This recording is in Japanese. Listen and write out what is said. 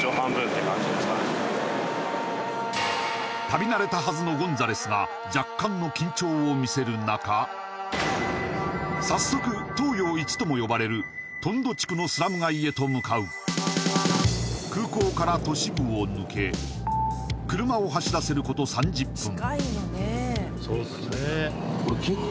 旅慣れたはずのゴンザレスが若干の緊張を見せる中早速東洋一とも呼ばれるトンド地区のスラム街へと向かう空港から都市部を抜け車を走らせること３０分